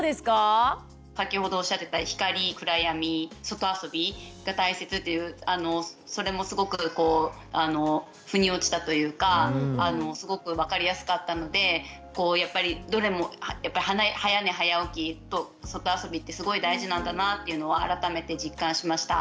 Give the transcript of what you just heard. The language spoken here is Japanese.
先ほどおっしゃってた「光・暗闇・外遊び」が大切っていうそれもすごく腑に落ちたというかすごく分かりやすかったのでやっぱりどれも「早寝早起き」と「外遊び」ってすごい大事なんだなっていうのを改めて実感しました。